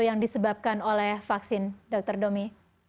yang disebabkan oleh vaksin dr domi